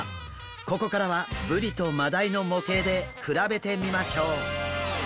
ここからはブリとマダイの模型で比べてみましょう。